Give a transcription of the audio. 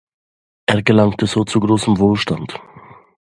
Er gelangte so zu großem Wohlstand.